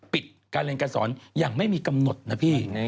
ปิดการเรียนการสอนอย่างไม่มีกำหนดนะพี่